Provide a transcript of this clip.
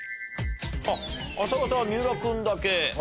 あっ朝型三浦君だけ。